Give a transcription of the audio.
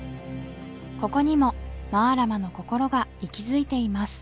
ここにもマラマのこころが息づいています